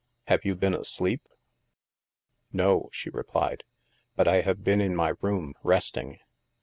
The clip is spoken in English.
Have you been asleep ?'*" No," she replied. " But I have been in my room, resting."